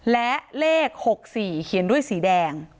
และเลข๖๔เขียนด้วยสีแดง